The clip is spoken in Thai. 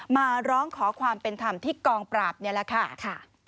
มาร้องขอความเป็นธรรมที่กองปราบนี่แหละค่ะ